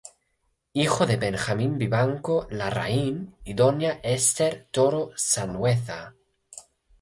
Hijo de Benjamín Vivanco Larraín y doña Ester Toro Sanhueza.